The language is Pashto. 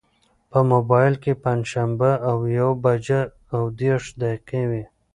په مبایل کې پنجشنبه او یوه بجه او دېرش دقیقې وې.